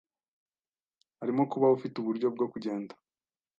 harimo kuba ufite uburyo bwo kugenda